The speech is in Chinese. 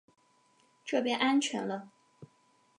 这边安全了